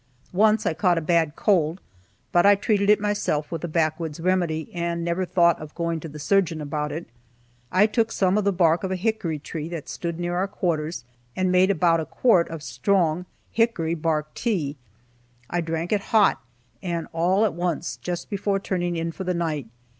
Once I caught a bad cold, but I treated it myself with a backwoods remedy and never thought of going to the surgeon about it. I took some of the bark of a hickory tree that stood near our quarters, and made about a quart of strong hickory bark tea. I drank it hot, and all at once, just before turning in for the night.